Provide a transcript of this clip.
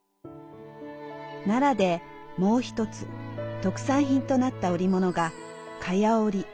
奈良でもう一つ特産品となった織物が「蚊帳織」。